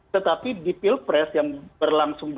tetapi di pilpres yang berlangsung